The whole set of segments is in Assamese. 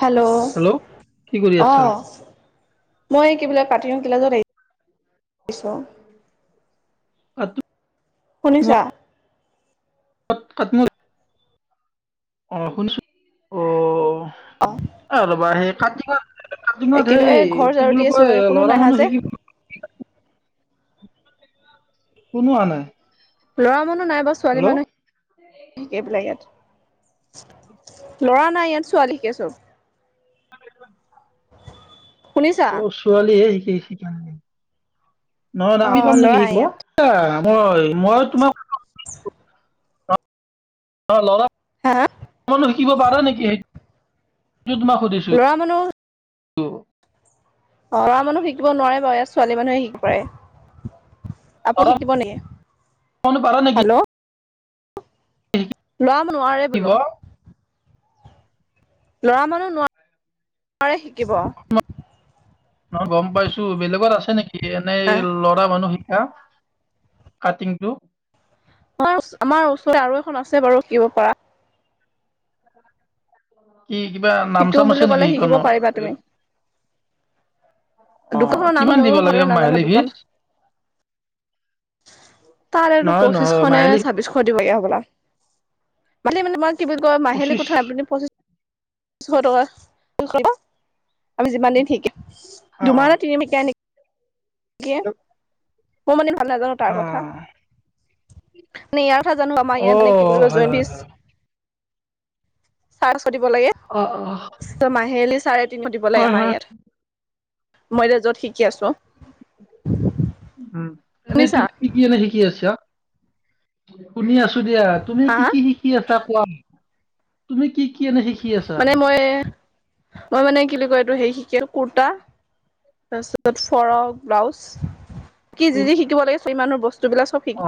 হেল্ল' কি কৰি আছা? অ' মই কি বোলে পাতি ৰং কিলাজত আহিছো। কাটিঙত শুনিছা? [unintelligible] অ' শুনচোন অ' অ অলবা সেই কতি তোমত সেই একেবাৰে ঘৰ কি ঝাৰু দি বুলি আছো কয় মানে কোনো লৰা নাহা মানুহ যে শিকিব কোনো আহা নাই। ল'ৰা মানুহ নাই বা ছোৱালী হেল্ল' মানুহ শিকেই পেলাই ইয়াত। লৰা নাই ইয়াত ছোৱালীকে চব। [unintelligible] শুনিছা অ' ছোৱালীে শিকেই। নহ অ নি পাম ল'ৰা নেকি নাই শিকিব ইয়াত মই মই তোমাক অ' লৰা, হা শিকিব পাৰা নেকি সেই ত ম খুধিছো। ল'ৰা মানুহ অ' লৰা মানুহ শিকিব নোৱাৰে বাৰু ইয়াত ছোৱালী মানুহে শিকি পাৰে। আপুনি ল'ৰা শিকিব নেকি, মানুহ পাৰা নেকি হেল্ল' লোৰা নোৱাৰে শিকিব বোলো। লৰা মানুহ নোৱাৰো ৱাৰে অ' গম পাইছো বেলেগত আছে নেকি এনেই আহ ল'ৰা মানুহ এ কাটিং টো? আমাৰ আমাৰ ওচৰৰে আৰু এখন আছে বাৰু শিব পাৰা। কি কিবা নাম শিকো চাম বুলি আছে নেকি ক'লে শিকিব এইখনৰ? পাৰিবা দোকান খনৰ নামটো কিমান দিব ময়ো লাগে ভালৰে নাজানো মাহিলী ফিজ দোকান তাৰেটো নহয় পঁচিশ নহয় খনে মাহিলী ছাব্বিশ খ দিবগীয়া হ'বলা। ম মানে তোমাৰ কি বুলি কয় মাহেলী পঁচিছ কোঠাৰ আপ পচি শ টকা আমি যিমান দিন ঠিক অ দুমাহ নে তিনিমকীয়াি ে মই মানে ভাল নাজানো তাৰ কথা। মে ইয়াৰ কথা জানো আমাৰ অ অ অ ইয়াত এনেে কি বুলি কয় হয় হয় জইটচ হয় চাৰশ দিব লাগে, অ অ মাহলী চাৰে তিনিশ দিব লাগে হয় আমাৰ হয় ইয়াত। মইত য'ত শিক উম এনেই শুনিছা তুমি শিকি এনে শিকি আছা? শুনি আছো দিয়া। তুমি হা কি হা কি শিকি আছা কোৱা? তুমি কি কি এনে শিকি আছা মানে মই, মই মানে কি বুলি কয় এইটো হেই শিক কুুৰ্তা তাৰপিছত ফৰক, ব্লাউজ। কি কোৰ যি যি শিকিব লাগে চ ছোৱালী মানুহৰ বস্তুবিলাক চব শিকি অ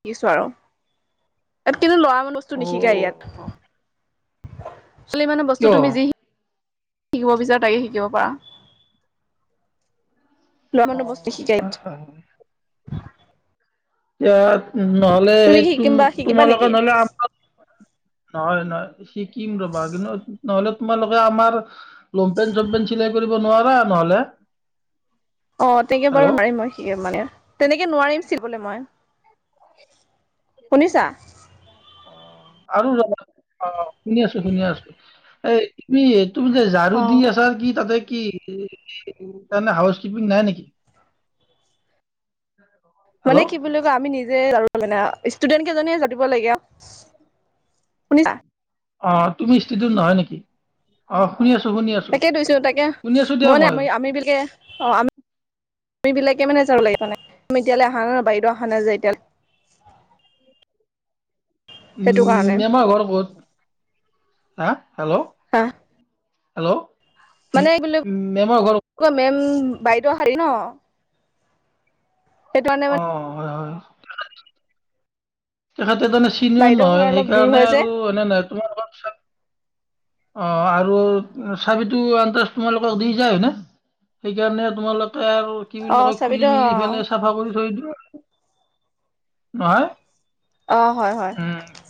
শিকিছো আৰু। ইয়াত কিন্তু ল'ৰা মান বস্তু অ নিশিকা ইয়াত। ছোৱালী মানুহৰ বস্তু কিয় তুমি যি শি শিকিব বিচৰা তাকে শিকিব পাৰা। অ ৰমানু বস্তু হয় সিজাইত। হয় হয়। এতিয়া নহলে তুমি সেই তুম শিকিম বা শিকিবা তোমাৰ লগত নেকি নহলে আম নহয় নহয় শিকিম ৰবা কিন্তু নহলে তোমালোকে আমাৰ লমপেন চমপেন চিলাই কৰিব নোৱাৰা নহলে? অ' তেনেকে বাৰু হেল্ল' নোৱাৰিম মই সি মানে তেনেকে নোৱাৰিম চিবলে মই। শুনিছা? অ' আৰু জানা অ' শুনি আছো শুনি আছো এইমিডিয়েট তুমি যে ঝাৰু অ দি আছা কি তাতে কি তাত মানে হাউচকিপিং নাই নেকি? মানে হেল্ল' কি বুলি কয় আমি নিজে আৰু মানে আও ষ্টুডেন্ট কেইজনীয়ে জানিব লাগে আও। শুনিছা? অ', তুমি ষ্টিডউ নহয় নেকি? অ'। শুনি আছো শুনি আছো তাকে কৈছো, তাকে। শুনি আছো দিয়া মই নে আমি আমি বিলিকে, অ', আমি আমি বিলাকে মানে চাব লাগে মানে। এতিয়ালৈ আহা বাইদেউ আহা নাই যে এতিয়ালৈ [inaudible] সেইটো কাৰণে উম, আমাৰ ঘৰৰ বহুত, হা হেল্ল' হা হেল্ল'। মানে মে- এইবিলাক, মেমৰ ঘৰ মেম বাইদেউ দেৰি ন। সেইটো কাৰানে অ মানে হয়, হয়। তেখেতে তেনে চিনিয়'ৰ বাইদেউ ঘৰ নহয়, অলপ দূৰ সেইকাৰণে হয় যে আৰু এনে নাই তোমাৰ ঘৰত [unintelligible] অ', আৰু চাবিতো আন্ত তোমালোকক দি যায় হয় ন? সেইকাৰণে তোমালোকে আৰু কি অ বুলি কয়, চাবিতো অ খুলি-মেলি ইফালে চাফা কৰি থৈ দিবা। নহয়। অ', হয়, হয়। উম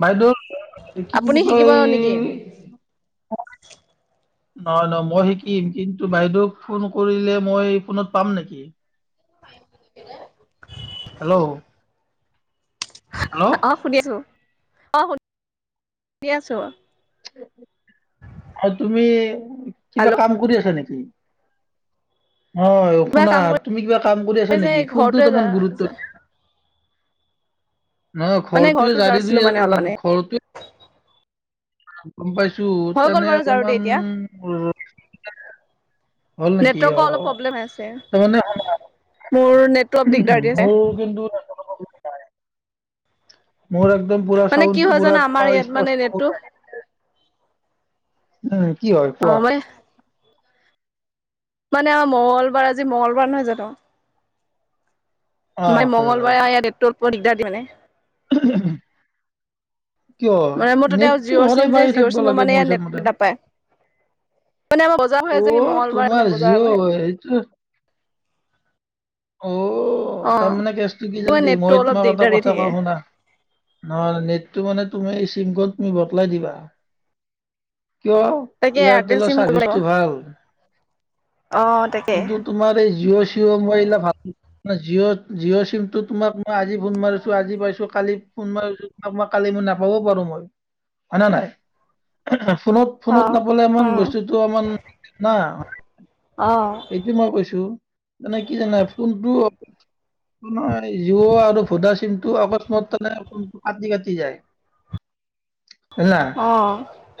বাইদেউ, কেমিনিট কিব নেকি? নহয় নহ, মই শিকিম। কিন্তু বাইদেউক ফোন কৰিলে মই ফোনত পাম নেকি? হেল্ল'। হেল্ল' অ', শুনি আছো। অ', শুন- আছো। হয়। তুমি কিবা হেল্ল' কাম কৰি আছা নেকি? হয়, কিবা শুনা কাম কৰি তুমি কিবা কাম কৰি আছা যে নেকি? ফোনটোত ঘৰটোৱে অলপমান গুৰুত্ব দিয়া। নহয় মানে ঘৰটোৱে ঘৰটো জাৰি দি জাৰিছিলো মানে অলপমানে [unintelligible] ঘৰটোৱে গম পাইছো, হৈ গ'ল তেনে বাৰু জাৰোতে অকমান এতিয়া নেটৱৰ্কৰ অলপ প্ৰব্লেম হৈ আছে। তাৰমানে মোৰ নেটৱৰ্ক দিগদাৰ দি আছে। মোৰ কিন্তু মোৰ একদম পুৰা মানে কি চাউণ্ডটো হয় পুৰা জানা আমাৰ তোমাৰ ইয়াত মানে নেটটো স্পষ্টকে আহি নাই, কি হয় অ কোৱা? মানে মানে অ', মঙলবাৰ আজি মঙলবাৰ নহয় জানো? অ মানে হয় হয় মঙগলবাৰে ইয়াত নেটৱৰ্কটো দিগদাৰ দিয়ে মানে? [unintelligible] কিয়? মানে মোৰ তাতে নেটটো জিঅ'ৰ চিম সদায় যে পায় জিঅ'ৰ থাকিব চিমৰ লাগে মানে মোৰ ইয়াত হিচাপ নেট মতে। নাপায় মানে আমাৰ বজাৰ হৈ আছে অ', মঙ্গলবাৰ মানে তোমাৰ বজাৰ জিঅ'! বহে হেইটো অ' তাৰমানে কেচটো কি [unintelligible] নেটটো মই অলপ তোমাক এটা দিগদাৰ দি কথা কওঁ থাকে শুনা। নহ নেটটো মানে তুমি চিংকত নি তুমি বদলাই দিবা। কিয় তাকে এয়াৰটেল এয়াৰটেলৰ চিম কৰিব চাৰ্ভিচটো লাগিব ভাল? অ তাকে কিন্তু তোমাৰ এই জিঅ' চিঅ' মোবাইল জিঅ' জিঅ' চিমটো তোমাক মই আজি ফোন মাৰিছো আজি পাইছো কালি ফোন মাৰিছো। মই কালি মই নাপাবও পাৰো, মই হয় নে নাই? অ ফোনত-ফোনত নাপালে ইমান উম বস্তুটো অলপমান না অ সেইটো মই কৈছো। মানে কি জানা! ফোনটো তোমাৰ জিঅ' আৰু ভ'দা চিমটো অকস্মাততে কাটি-কাটি যায়। [inaudible] জানা অ',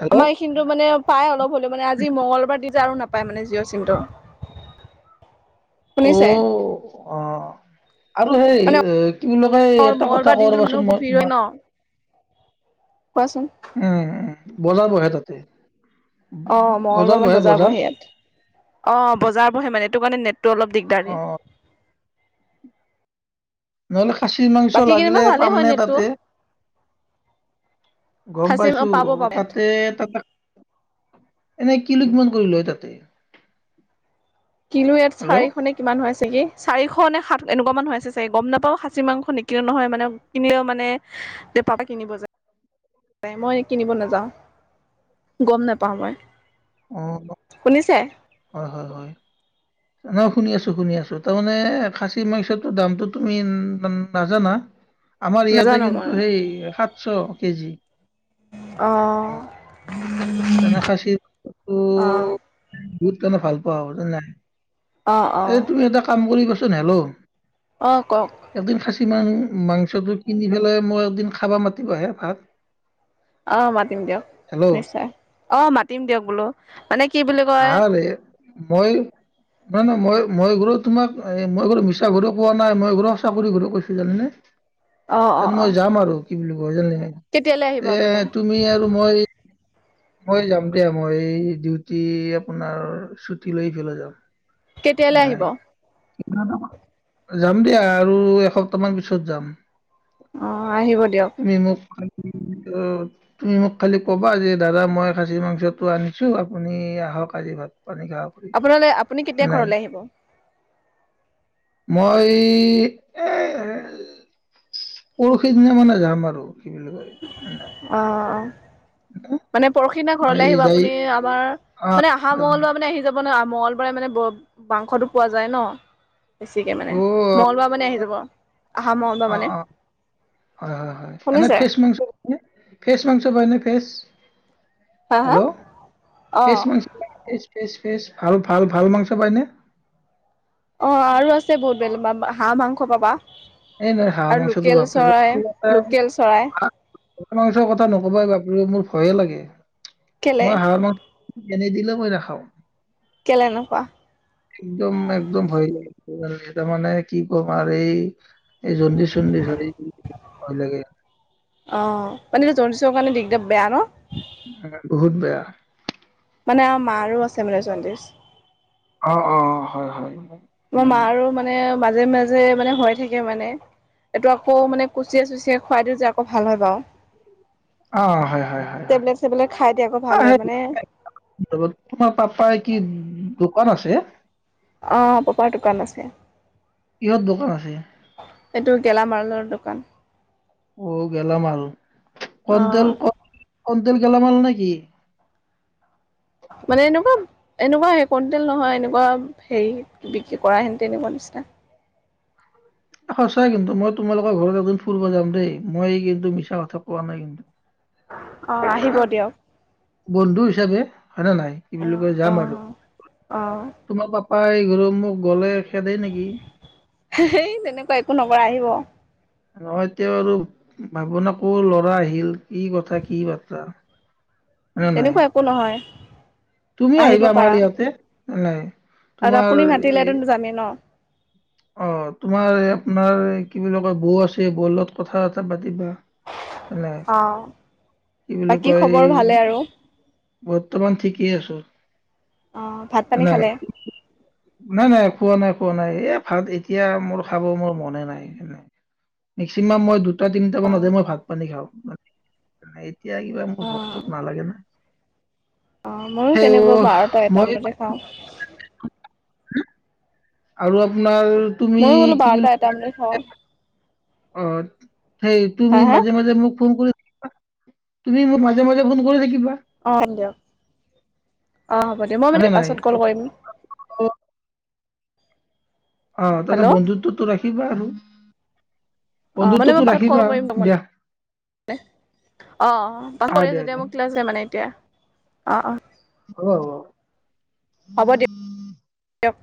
হেল্ল' আমাৰ এইখিনিতো মানে পাই অলপ হ'লেও মানে, আজি মঙগলবাৰ দিন যে আৰু নাপ -পায় মানে জিঅ' চিমটো। শুনিছে অ' অ' আৰু সেই মানে কি বুলি কয় অ এটা কথা মঙ্গলবাৰ দিনটোত মানুহ ৰবাচোন বহুত মই ভিৰ হয় তোমাক। ন কোৱাচোন উম উ বজাৰ বহে তাতে। অ' মঙলবাৰ মানে বজাৰ বহে ইয়াত অ' বজাৰ বহে মানে এইটো কাৰণে নেট টো অলপ দিগদাৰ অ দিয়ে। নহলে খাচী মাংস বাকী কেনিবা লাগিলে ভালেই হয় পামনে নেটটো তাতে? গম সাঁচি পাইছো পাব পাব ইয়াত তাতে তাতে এনে কিলো কিমান কৰি লয় তাতে? কিলো ইয়াত হেল্ল' চাৰিশ নে কিমান হয় [unintelligible] চাৰিশ নে সাত এনেকুৱা মানুহ আছে চাগে গম নাপাওঁ খাচী মাংস নিকিনো নহয় মানে কিনিলেও মানে পৰা কিনিব যায়। মই কিনিব নেযাওঁ গম নেপাওঁ মই। অ শুনিছে? হয় হয় হয়। ন শুনি আছো শুনি আছো তাৰমানে খাচী মাংসটো দামটো তুমি নাজানা? আমাৰ ইয়াতে নাজানো কিন্তু মই সেই সাতশ কেজি। অ'। মানে খাচীতো অ বহুত মানে ভাল পোৱা [unintelligible] জান নাই। অ অ এ তুমি এটা কাম কৰিবাচোন, হেল্ল' অ' কক। কিমান মাংসটো কিনি পেলাই মই এদিন খাবা মাতিবাহে ভাত। অ' মাতিম দিয়ক হেল্ল' নিশ্চিত। অ' মাতিম দিয়ক বোলো মানে কি বুলি কয় আহাৰে মই নহয় নহয় মই মই বাৰু তোমাক মই [unintelligible] মিছা [unintelligible] কোৱা নাই মই [unintelligible] চাকৰি [unintelligible] অ তে অ অ মই যাম আৰু কি বুলি ক জান, কেতিয়ালৈ আহিব এ আপুনি তুমি আৰু মই মই যাম দে মই ডিউটি আপোনাৰ ছুটী লৈ পেলাই যাম। কেতিয়ালৈ আহিব? নাই [unintelligible] যাম দিয়া আৰু এসপ্তাহ মান পিছত যাম। অ' আহিব দিয়ক। [unintelligible] ত তুমি মোক খালি কবা যে দাদা মই খাচী মাংসটো আনিছো আপুনি আহক আজি ভাত পানী খাওঁ বুলি আপোনাল আপুনি কেতিয়া নাই ঘৰলৈ আহিব? মই এ পৰহি দিনা মানে যাম আৰু, কি বুলি কয় ন নাই। অ মানে পৰহিদিনা মই ঘৰলে আহিব যাই আপুনি আমাৰ অ' মানে অহা মলোৱা আপুনি আহি যাব। মানে মঙ্লবাৰে মানে মাংসটো পোৱা যায় ন। বেছিকে মানে, অ' মঙ্লবাৰ মানে আহি যাব। অহা মঙ্গলবাৰ মানে অ' অ' হয় হয় হয় এনে শুনিছে ফেচ মাংস [unintelligible] ফেচ মাংস [unintelligible] নে ফেচ হা হা হেল্ল' অ ফেচ ম [unintelligible] ফ ফে ফে ভাল ভাল ভাল মাংস পাইনে? অ' আৰু আছে বহুত বেলেগ হাঁহ মাংস পাবা। এই নাই হাঁাৱাৰ আৰু মাংসটো লোকেল বাপ [unintelligible] [unintelligible] চৰাই লোকেল চৰাই মাছৰ মাংসৰ কথা নকবা বাপৰে মোৰ ভয়ে লাগে, কেলে মই হাঁহৰ মাংস এনেই দিলেও মই নাখাওঁ। কেলে এনেকুৱা একদম একদম ভয় লাগে। এ তাৰ মানে কি ক'ম আৰু এই এই জণ্ডি চণ্ডি চ [unintelligible] ভয় লাগে। অ' মানেটো জডিছৰ কাৰণে দিগদাৰ বেয়া ন? অ, বহুত বেয়া। মানে আমাৰ মাৰো আছে মানে জনডিছ। অহ', অহ'। হয় হয়। আমাৰ উম। মাৰো মানে মাজে-মাজে মানে হৈ থাকে মানে। এইটো আকৌ মানে কুচিয়ে চুচিয়ে খুৱাই দিওঁ যে, আকৌ ভাল হয় বাৰু। অহ, হয় হয় হয়। টেবলেট চেবলেট খাই দিয়ে আকৌ ভাল অহ হয় সেই মানে [unintelligible] তোমাৰ পাপাই কি, দোকান আছে। অহ, পাপাৰ দোকান আছে। কিহৰ দোকান আছে। এইটো গেলামালৰ দোকান। অহ গেলামাৰ, অ' কনটেল কনটেল গেলামাল নেকি? মানে এনেকুৱা, এনেকুৱায়ে কনটেল নহয়, এনেকুৱা হেৰি বিক্ৰী কৰা হেন তেনেকুৱা। [unintelligible] অহ, সঁচা কিন্তু মই তোমালোকৰ ঘৰত এদিন ফুৰিব যাম দেই, মই কিন্তু মিছা কথা কোৱা নাই কিন্তু। অ' আহিব [unintelligible] দিয়ক বন্ধু হিচাপে। হয় নে নাই, কি বুলি অ' কৈ যাম আৰু। অ'। অ' তোমাৰ পাপাই ঘূৰ মোক গ'লে খেদে নেকি সেই তেনেকুৱা একো নকৰে আহিব। নহয় তেওঁ আৰু ভাবনা কৰ ল'ৰা আহিল, কি কথা কি বাৰ্তা। তেনেকুৱা একো নহয়। তুমি আহিব আহিবা পাৰা আমাৰ ইয়াতে, জাল নাই। আৰু তোমাৰ আপুনি মাতিলেতো যামেই ন। অহ, তোমাৰ আপোনাৰ কি বুলি কয় বৌ আছে, বৌ লগত কথা-চথা পাতিবা। [inaudible] অহ। কি বুলি কয়, বৰ্তমান ঠিকেই আছোঁ। অ', ভাত পানী জালনাই, খালে? নাই নাই খোৱা নাই। খোৱা নাই, এই ভাত এতিয়া মোৰ খাব মোৰ মনে নাই, মেক্সিমাম মই দুটা তিনিটা অ', মানতহে মই ভাত পানী খাওঁ, মানে এতিয়া কিবা মোৰ ভোক-চোক নালাগে না। অহ, ময়ো সেই অ, তেনেকুৱা বাৰটা এটা মই বজাতে খাওঁ। আৰু আপোনাৰ তুমি ময়ো বোলো কি বাৰটা বুলি এটা মানতে খাওঁ। [unintelligible] অহ, সেই হা তুমি হা মাজে-মাজে মোক ফোন কৰি তুমি মোক মাজে-মাজে ফোন কৰি থাকিবা। অহ, হয় দিয়ক। অহ, হ'ব দিয়ক মই মানে পাছত কল কৰিম। অ। অহ, তাৰমানে হেল্ল' বন্ধুত্বতটো ৰাখিবা আৰু। অহ, মানে বন্ধুত্বটো মই পছত কল ৰাখিবা কৰিম‌ অকমান। দিয়া মানে অহ, অহ। পছত আহ কল কৰি দিয়া আছোঁ। দিয়া মোৰ ক্লাছ আছে মানে এতিয়া অহ অহ। হ'ব হ'ব। হ'ব দিয়ক। দিয়ক